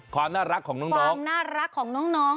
ขวามน่ารักของน้อง